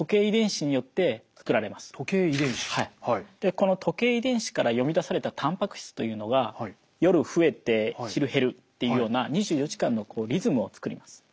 この時計遺伝子から読み出されたたんぱく質というのが夜増えて昼減るっていうような２４時間のリズムを作ります。